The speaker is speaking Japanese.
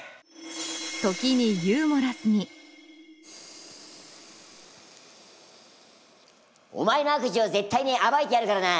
時にユーモラスにお前の悪事を絶対に暴いてやるからな！